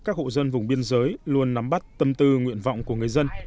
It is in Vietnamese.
các hộ dân vùng biên giới luôn nắm bắt tâm tư nguyện vọng của người dân